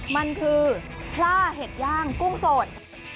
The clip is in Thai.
มันคือพล่าเห็ดย่างกุ้งสด